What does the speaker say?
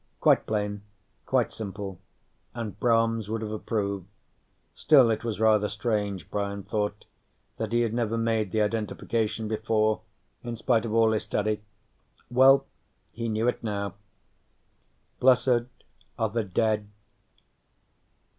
Quite plain, quite simple, and Brahms would have approved. Still it was rather strange, Brian thought, that he had never made the identification before in spite of all his study. Well, he knew it now. _Blessed are the dead....